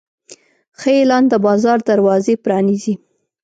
ښه اعلان د بازار دروازې پرانیزي.